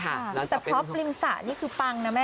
เพราะพลิมสะนี่คือปังเนอะแม่